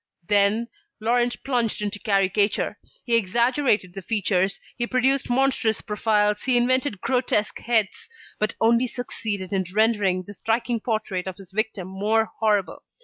Then, Laurent plunged into caricature: he exaggerated the features, he produced monstrous profiles, he invented grotesque heads, but only succeeded in rendering the striking portrait of his victim more horrible.